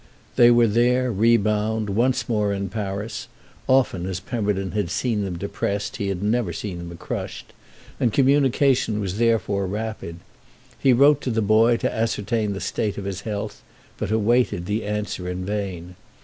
They were on there rebound, once more in Paris—often as Pemberton had seen them depressed he had never seen them crushed—and communication was therefore rapid. He wrote to the boy to ascertain the state of his health, but awaited the answer in vain.